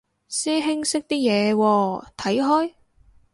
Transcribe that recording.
師兄識啲嘢喎，睇開？